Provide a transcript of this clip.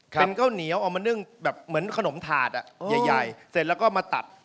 เป็นข้าวเหนียวเอามานึ่งแบบเหมือนขนมถาดใหญ่เสร็จแล้วก็มาตัด